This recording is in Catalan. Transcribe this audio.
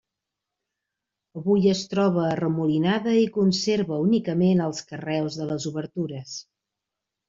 Avui es troba arremolinada i conserva únicament els carreus de les obertures.